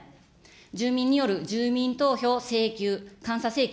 住民による住民投票請求、監査請求、